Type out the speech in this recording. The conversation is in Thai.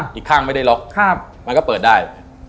อีกข้างไม่ได้ล็อกมันก็เปิดได้